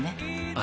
「あ」。